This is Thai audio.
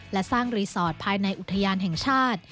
และสร้างรีสอร์ทภายในอุทยานแห่งชาติ